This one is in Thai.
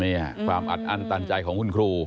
นี่ความอัดอันต่างใจของคุณคู้